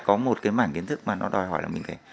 có một cái mảng kiến thức mà nó đòi hỏi là mình phải